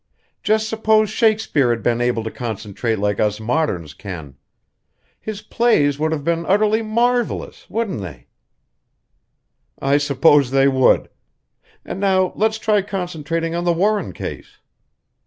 Just suppose Shakespeare had been able to concentrate like us moderns can! His plays would have been utterly marvelous, wouldn't they?" "I suppose they would. And now let's try concentrating on the Warren case."